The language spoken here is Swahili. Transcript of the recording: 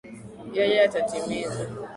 Yeye atatimiza.